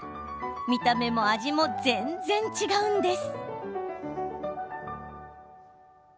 見た目も味も全然違うんです。